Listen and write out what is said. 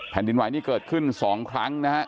แผ่นดินไหวนี่เกิดขึ้น๒ครั้งนะฮะ